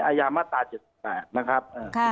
ยามาตรา๗๘นะครับ